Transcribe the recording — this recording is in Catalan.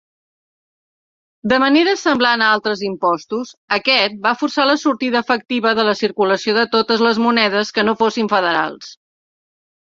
De manera semblant a altres impostos, aquest va forçar la sortida efectiva de la circulació de totes les monedes que no fossin federals.